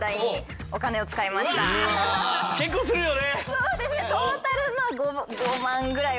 そうですね。